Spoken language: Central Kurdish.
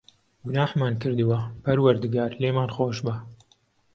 گوناحمان کردووە، پەروەردگار، لێمان خۆشبە.